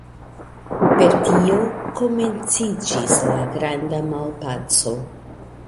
Per tio komenciĝis la Granda Malpaco.